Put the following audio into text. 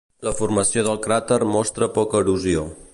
La formació del cràter mostra poca erosió.